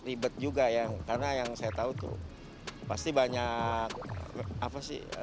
ribet juga ya karena yang saya tahu tuh pasti banyak apa sih